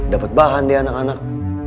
dapet bahan deh anak anak